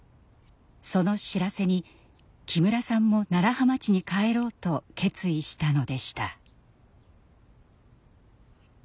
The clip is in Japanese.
その知らせに木村さんも楢葉町に帰ろうと決意したのでした。